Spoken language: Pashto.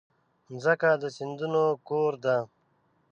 مځکه د سیندونو کور ده.